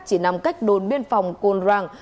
chỉ nằm cách đồn biên phòng côn răng